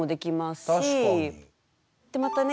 でまたね